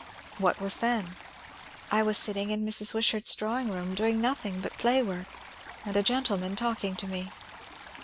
"What was then?" "I was sitting in Mrs. Wishart's drawing room, doing nothing but play work, and a gentleman talking to me."